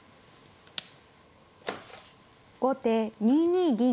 後手２二銀。